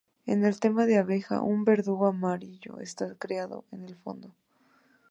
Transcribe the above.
En el tema de abeja, un verdugo amarillo está creado en el fondo.